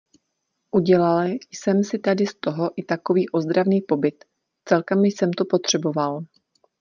Udělal jsem si tady z toho i takový ozdravný pobyt - celkem jsem to potřeboval.